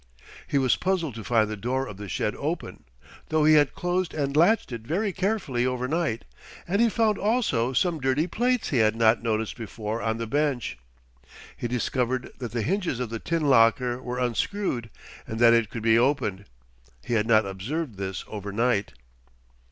He was puzzled to find the door of the shed open, though he had closed and latched it very carefully overnight, and he found also some dirty plates he had not noticed before on the bench. He discovered that the hinges of the tin locker were unscrewed and that it could be opened. He had not observed this overnight.